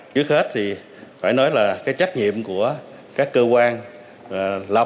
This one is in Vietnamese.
trước hết thì phải nói là cái trách nhiệm của các cơ quan lập